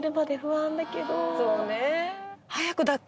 そうね。